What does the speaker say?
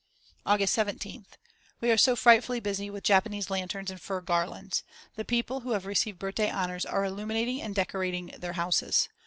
August 17th. We are so frightfully busy with Japanese lanterns and fir garlands. The people who have received birthday honours are illuminating and decorating their houses.